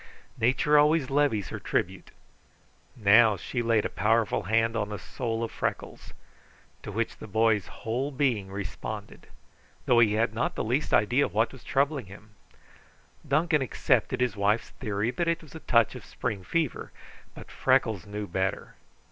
Nature always levies her tribute. Now she laid a powerful hand on the soul of Freckles, to which the boy's whole being responded, though he had not the least idea what was troubling him. Duncan accepted his wife's theory that it was a touch of spring fever, but Freckles knew better.